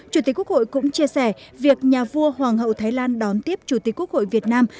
chủ tịch quốc hội cũng chia sẻ việc nhà vua hoàng hậu thái lan đón tiếp chủ tịch quốc hội việt nam